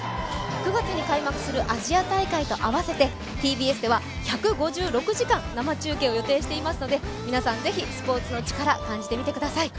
９月に開幕するアジア大会と合わせてＴＢＳでは１５６時間生中継を予定していますので、皆さん是非スポーツのチカラを感じてください。